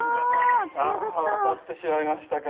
あ分かってしまいましたか。